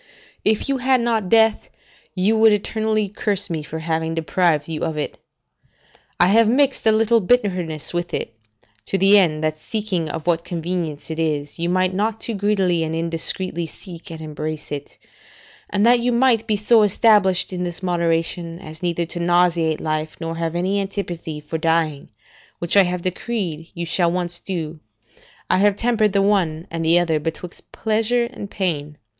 If you had not death, you would eternally curse me for having deprived you of it; I have mixed a little bitterness with it, to the end, that seeing of what convenience it is, you might not too greedily and indiscreetly seek and embrace it: and that you might be so established in this moderation, as neither to nauseate life, nor have any antipathy for dying, which I have decreed you shall once do, I have tempered the one and the other betwixt pleasure and pain.